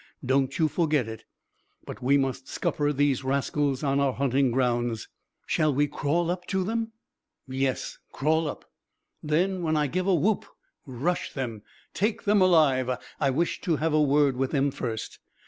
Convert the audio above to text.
Don't you forget it. But we must scupper these rascals on our hunting grounds." "Shall we crawl up to them?" "Yes, crawl up. Then when I give a whoop rush them. Take them alive. I wish to have a word with them first.